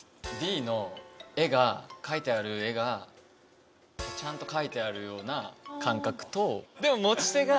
Ｄの絵が描いてある絵がちゃんと描いてあるような感覚とでも。